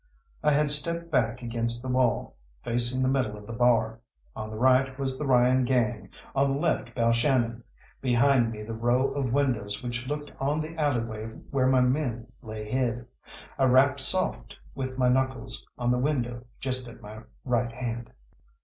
I had stepped back against the wall, facing the middle of the bar. On the right was the Ryan gang, on the left Balshannon, behind me the row of windows which looked on the alley way where my men lay hid. I rapped soft with my knuckles on the window just at my right hand.